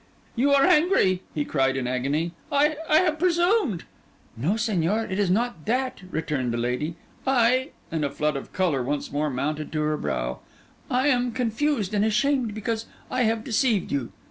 'You are angry,' he cried in agony. 'I have presumed.' 'No, Señor, it is not that,' returned the lady. 'I—' and a flood of colour once more mounted to her brow—'I am confused and ashamed because I have deceived you.